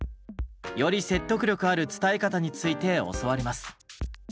より説得力ある伝え方について教わります。